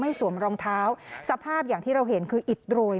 สวมรองเท้าสภาพอย่างที่เราเห็นคืออิดโรย